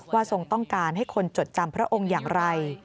ทรงต้องการให้คนจดจำพระองค์อย่างไร